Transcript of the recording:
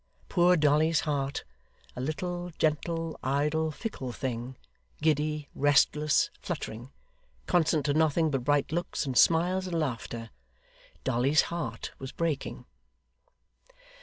Poor Dolly's heart a little, gentle, idle, fickle thing; giddy, restless, fluttering; constant to nothing but bright looks, and smiles and laughter Dolly's heart was breaking.